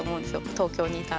東京にいたら。